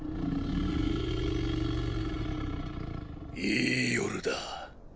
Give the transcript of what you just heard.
いい夜だ。